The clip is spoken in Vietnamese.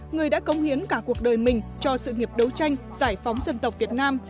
người đã cống hiến cả cuộc đời mình cho sự nghiệp đấu tranh giải phóng dân tộc việt nam